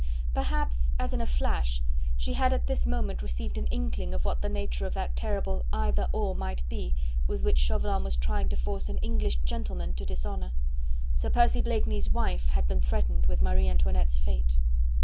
Perhaps, as in a flash, she had at this moment received an inkling of what the nature of that terrible "either or" might be, with which Chauvelin was trying to force an English gentleman to dishonour. Sir Percy Blakeney's wife had been threatened with Marie Antoinette's fate.